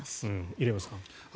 入山さん。